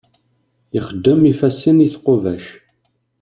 Ixeddem ifassen i tqubac.